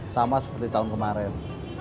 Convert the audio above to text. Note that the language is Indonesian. sama seperti tahun kemarin